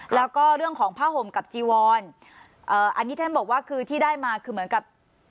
แล้วก็เรื่องของผ้าห่มกับจีวอนอันนี้ท่านบอกว่าคือที่ได้มาคือเหมือนกับ